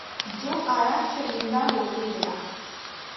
جو آیا شرمندہ ہو کے گیا۔